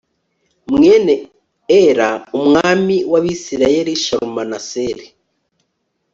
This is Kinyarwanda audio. mwene ela umwami w abisirayeli shalumaneseri